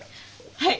はい。